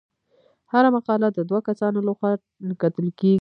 هره مقاله د دوه کسانو لخوا کتل کیږي.